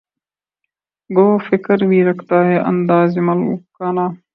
گو فقر بھی رکھتا ہے انداز ملوکانہ